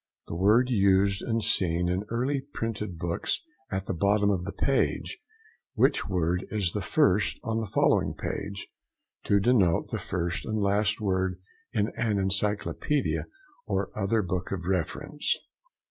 —A word used and seen in early printed books at the bottom of the page, which word is the first on the following page. To denote the first and last word in an encyclopædia or other book of reference.